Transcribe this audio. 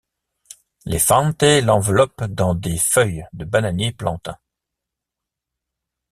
Les Fante l'enveloppent dans des feuilles de bananier plantain.